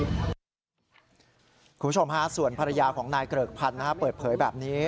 คุณผู้ชมฮะส่วนภรรยาของนายเกริกพันธ์เปิดเผยแบบนี้